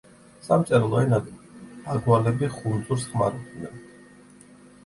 სამწერლო ენად ბაგვალები ხუნძურს ხმარობენ.